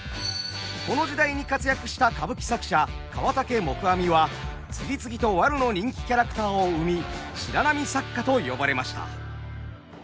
この時代に活躍した歌舞伎作者河竹黙阿弥は次々とワルの人気キャラクターを生み白浪作家と呼ばれました。